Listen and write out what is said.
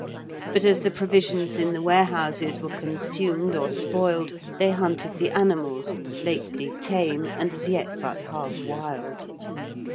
But as the provisions in the warehouses were consumed or spoiled, they hunted the animals, lately tame and as yet but half wild.